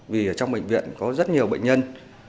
vì ở trong bệnh viện có rất nhiều bệnh nhân